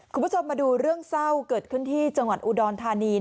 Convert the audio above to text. คุณผู้ชมมาดูเรื่องเศร้าเกิดขึ้นที่จังหวัดอุดรธานี